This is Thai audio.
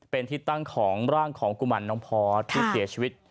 เป็นทิศตั้งของร่างของกุมารน้องพอร์ตที่เสียชีวิต